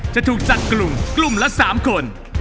จะถูกจัดกลุ่มกลุ่มละ๓คน